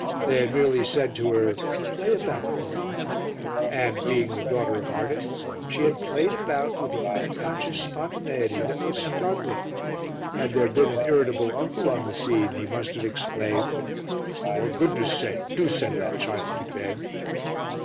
They had merely said to her, "Play about, Lola," and, being the daughter of artists, she had played about with an unconscious spontaneity that was startling. Had there been an irritable uncle on the scene he must have exclaimed "For goodness' sake, do send that child to bed."